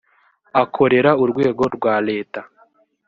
akorera urwego rwa leta.